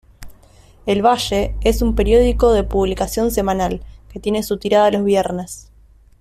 El "Valle", es un periódico de publicación semanal, que tiene su tirada los viernes.